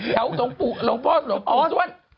แถวลงพ่อลงพ่อลงพ่อช่วย